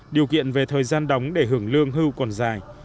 điều kiện về thời gian đóng để hưởng lương hưu còn dài